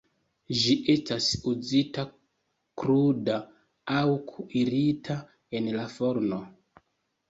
Ĝi estas uzita kruda aŭ kuirita en la forno.